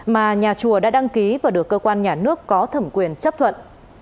mà nhà chùa đã đăng ký và được cơ quan nhà nước có thẩm quyền chấp thuận